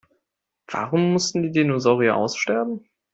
Warum mussten die Dinosaurier aussterben?